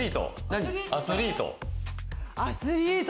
アスリート？